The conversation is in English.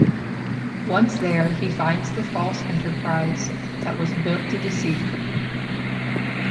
Once there, he finds the false "Enterprise" that was built to deceive Kirk.